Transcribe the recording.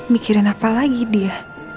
mikirin apa lagi dia